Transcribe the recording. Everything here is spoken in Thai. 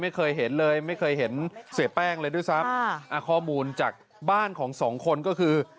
ไม่เคยเห็นเลยไม่เคยเห็นเสียแป้งเลยด้วยซ้ำข้อมูลจากบ้านของสองคนก็คือ